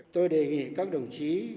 tôi đề nghị các đồng chí